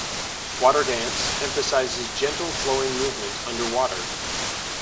WaterDance emphasizes gentle flowing movement underwater.